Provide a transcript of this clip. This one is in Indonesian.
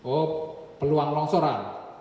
oh peluang longsoran